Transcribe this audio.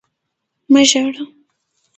مه ژاړه!